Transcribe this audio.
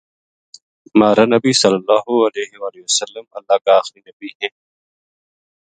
مہارنبی ﷺ اللہ کا آخری نبی ہیں۔